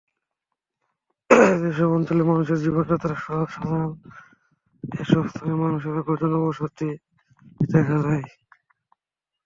যেসব অঞ্চলে মানুষের জীবনযাত্রা সহজ, সাধারণত এসব স্থানে মানুষের জনবসতি বেশি দেখা যায়।